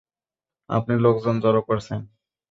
আপনি লোকজন জড়ো করেছেন।